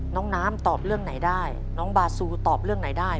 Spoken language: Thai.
น้องน้ำตอบเรื่องไหนได้น้องบาซูตอบเรื่องไหนได้